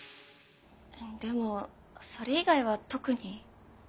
でもそれ以外は特に。